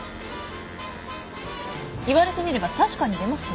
言われてみれば確かに出ますね。